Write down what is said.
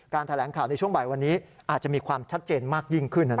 แถลงข่าวในช่วงบ่ายวันนี้อาจจะมีความชัดเจนมากยิ่งขึ้น